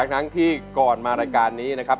ทั้งที่ก่อนมารายการนี้นะครับ